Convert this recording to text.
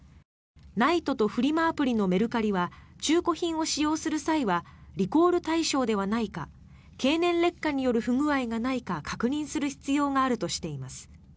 ＮＩＴＥとフリマアプリのメルカリは中古品を使用する際はリコール対象ではないか経年劣化による不具合はないか確認する必要があるとしています。